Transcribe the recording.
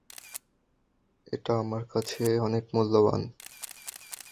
এটা আমার কাছে অনেক মূল্যবান।